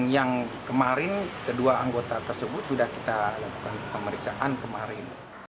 yang kemarin kedua anggota tersebut sudah kita lakukan pemeriksaan kemarin